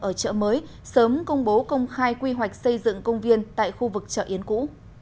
ở chợ mới sớm công bố công khai quy hoạch xây dựng công viên tại khu vực chợ yến cũ